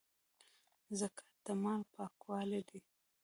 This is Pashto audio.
زکات د مال پاکوالی دی